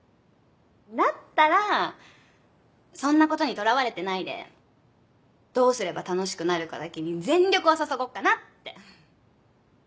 だったらそんなことにとらわれてないでどうすれば楽しくなるかだけに全力を注ごうかなって！